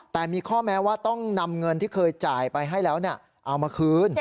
แต่มีข้อแม้ว่าต้องนำเงินที่เคยจ่ายไปให้แล้วเอามาคืน